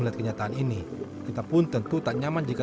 di dalam sekitar lima belas meter maksimal